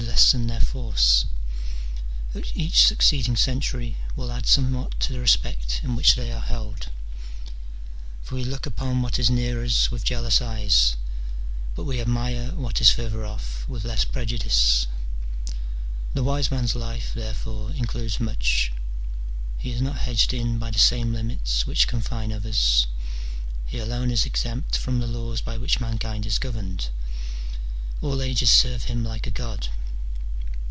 lessen their force, each succeeding century will add some what to the respect in which they are held : for we look upon what is near us with jealous eyes, but we admire what is further off with less prejudice. The wise man's life, therefore, includes much : he is not hedged in by the same limits which confine others : he alone is exempt from the laws by which mankind is governed : all ages serve him like a god.